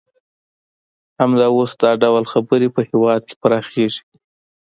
همدا اوس دا ډول خبرې په هېواد کې پراخیږي